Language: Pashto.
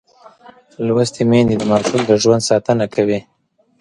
لوستې میندې د ماشوم د ژوند ساتنه کوي.